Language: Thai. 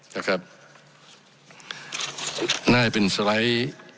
นะครับน่าจะเป็นสไลด์